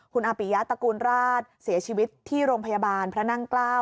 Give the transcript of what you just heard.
คุณอาปิยะตระกูลราชเสียชีวิตที่โรงพยาบาลพระนั่งเกล้า